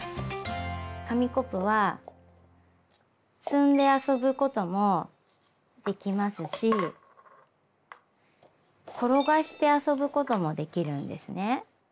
紙コップは積んで遊ぶこともできますし転がして遊ぶこともできるんですね。